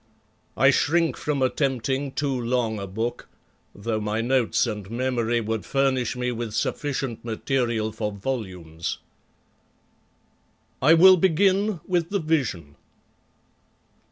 I shrink from attempting too long a book, though my notes and memory would furnish me with sufficient material for volumes. I will begin with the Vision.